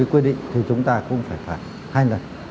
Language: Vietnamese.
quy định thì chúng ta cũng phải phạt hai lần